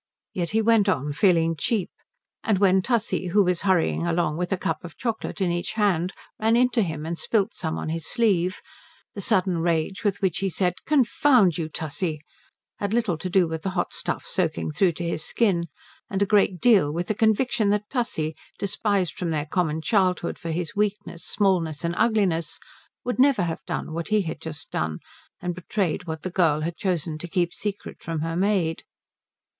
Yet he went on feeling cheap; and when Tussie who was hurrying along with a cup of chocolate in each hand ran into him and spilt some on his sleeve the sudden rage with which he said "Confound you, Tussie," had little to do with the hot stuff soaking through to his skin and a great deal with the conviction that Tussie, despised from their common childhood for his weakness, smallness and ugliness, would never have done what he had just done and betrayed what the girl had chosen to keep secret from her maid.